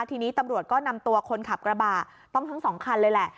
ทีนี้ตำรวจก็นำตัวคนขับกระบะต้องทั้งสองคันเลยแหละ